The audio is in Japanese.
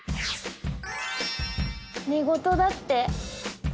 寝言だって。